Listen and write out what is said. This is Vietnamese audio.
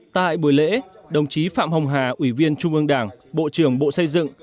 tại buổi lễ đồng chí phạm hồng hà ủy viên trung ương đảng bộ trưởng bộ xây dựng